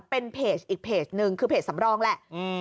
เป็นเพจอีกเพจนึงคือเพจสำรองแหละ